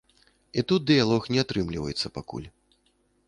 І тут дыялог не атрымліваецца пакуль.